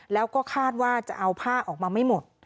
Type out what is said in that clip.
แล้วก็คาดว่าจะเอาผ้าออกมาไม่หมด